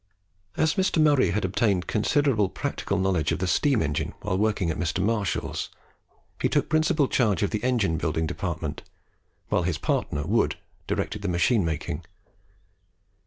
As Mr. Murray had obtained considerable practical knowledge of the steam engine while working at Mr. Marshall's, he took principal charge of the engine building department, while his partner Wood directed the machine making.